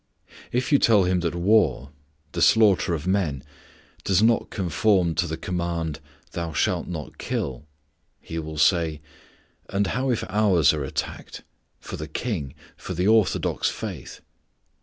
If you tell him that war i.e. the slaughter of men does not conform to the command, "Thou shalt not kill," he will say: "And how if ours are attacked For the King For the Orthodox faith?"